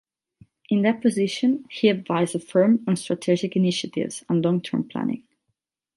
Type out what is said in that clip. In that position, he advised the firm on strategic initiatives and long-term planning.